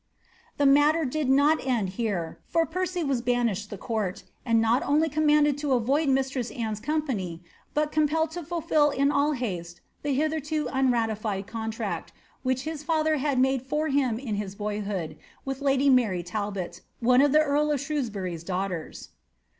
^ The matter did not end here, for Percy was banished the court, and Dot only commanded to avoid mistress Anne's company, but compelled to fulfil in all haste the hitherto unratified contract, which his father had made for him in his boyhood with lady Mary Talbot, one of the earl of Shrewsbury's daughters.'